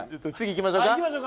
いきましょうか。